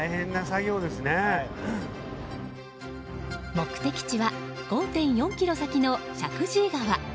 目的地は５．４ｋｍ先の石神井川。